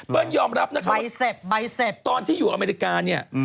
เบิ้ลยอมรับนะคะตอนที่อยู่อเมริกานี่